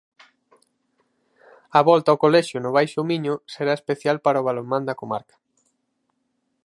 A volta ao colexio no Baixo Miño será especial para o balonmán da comarca.